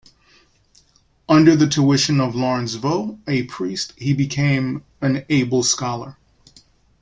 Under the tuition of Laurence Vaux, a priest, he became an able scholar.